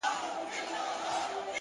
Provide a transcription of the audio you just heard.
د سړک څراغونه د شپې لارې نرموي!